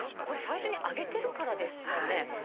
これ最初に揚げてるからですかね？